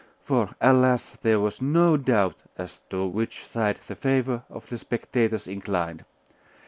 For, alas! there was no doubt as to which side the favour of the spectators inclined.